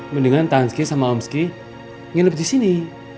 mendingan tanski sama om ski nginep disini